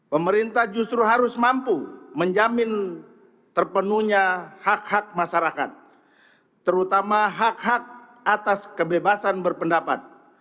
pemerintah justru harus mampu menjamin terpenuhnya hak hak masyarakat terutama hak hak atas kebebasan berpendapat